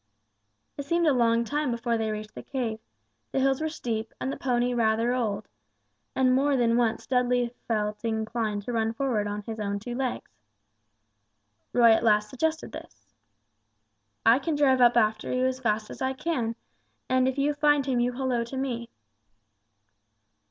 It seemed a long time before they reached the cave; the hills were steep and the pony rather old, and more than once Dudley felt inclined to run forward on his own two legs. Roy at last suggested this. "I can drive up after you as fast as I can; and if you find him you holloa to me."